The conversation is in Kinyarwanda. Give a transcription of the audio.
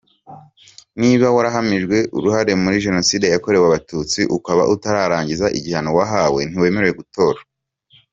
Niba warahamijwe uruhare muri Jenoside yakorewe Abatutsi ukaba utararangiza igihano wahawe ntiwemerewe gutora.